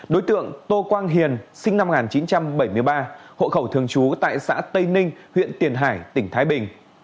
đối tượng tô quang hiền sinh năm một nghìn chín trăm bảy mươi ba hộ khẩu thường trú tại xã tây ninh huyện tiền hải tỉnh thái bình